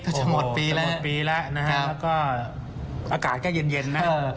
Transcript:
ก็จะหมดปีแล้วนะครับแล้วก็อากาศก็เย็นนะครับ